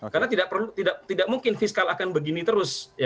karena tidak mungkin fiskal akan begini terus